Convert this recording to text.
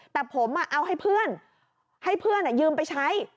แต่ผมเอาให้เพื่อนให้เพื่อนยืมไปใช้